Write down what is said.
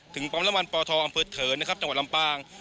ปั๊มน้ำมันปทอำเภอเขินนะครับจังหวัดลำปาง